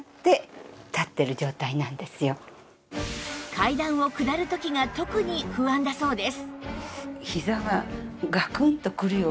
階段を下る時が特に不安だそうです